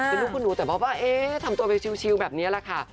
เป็นลูกคุณหนูแต่แบบว่าทำตัวไปชิวแบบนี้แหละค่ะ